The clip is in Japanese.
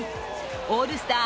オールスター